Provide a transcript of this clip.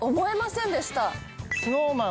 ＳｎｏｗＭａｎ